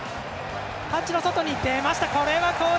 タッチの外に出ました。